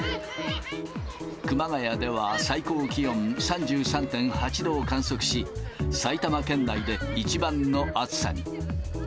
熊谷では最高気温３３．８度を観測し、埼玉県内で一番の暑さに。